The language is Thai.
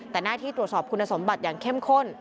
แต่หน้าที่ตรวจสอบคุณสมบัติอย่างเข้มข้น